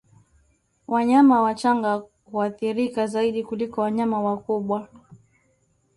Wanyama wachanga huathirika zaidi kuliko wanyama wakubwa